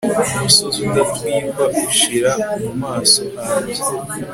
umusozi udatwikwa ushira mu maso hanjye